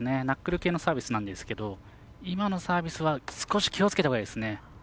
ナックル系のサービスなんですが今のサービスは少し気をつけたほうがいいですね。